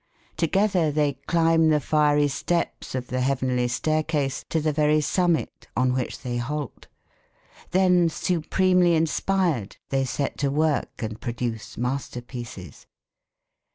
Together they climb the fiery steps of the heavenly staircase to the very summit on which they halt. Then supremely inspired they set to work and produce masterpieces.